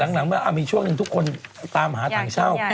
แต่หลังมีช่วงที่ทุกคนตามหาถังเช่า